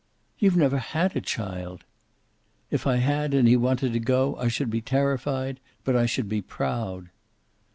"You've never had a child." "If I had, and he wanted to go, I should be terrified, but I should be proud."